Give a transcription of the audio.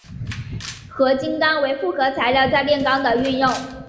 合金钢为复合材料在炼钢的运用。